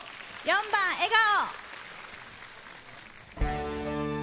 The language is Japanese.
４番「笑顔」。